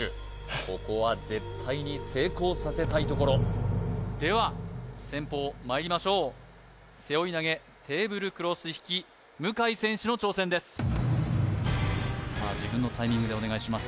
ここは絶対に成功させたいところでは先鋒まいりましょう背負い投げテーブルクロス引き向選手の挑戦ですさあ自分のタイミングでお願いします